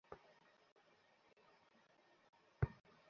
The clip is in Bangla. বিষয়টি বুঝতে পেরেই দ্রুত এগিয়ে এলেন পেছনে বসা তাঁর সহকর্মী রফিক জামান।